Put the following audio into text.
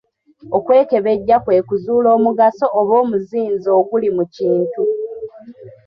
Okwekebejja kwe kuzuula omugaso oba omuzinzi oguli mu kintu.